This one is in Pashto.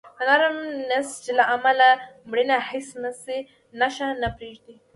د نرم نسج له امله مړینه هیڅ نښه نه پرېږدي.